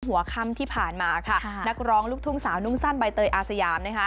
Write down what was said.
หัวค่ำที่ผ่านมาค่ะนักร้องลูกทุ่งสาวนุ่งสั้นใบเตยอาสยามนะคะ